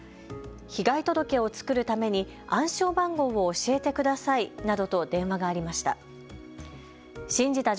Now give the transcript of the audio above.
被害届を作るために暗証番号を教えてくださいなどと電話がありました。